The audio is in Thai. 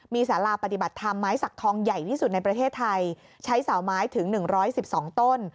มีสาราปฏิบัติธรรมไม้สักทองใหญ่ที่สุดในประเทศไทยใช้เสาไม้ถึง๑๑๒ต้น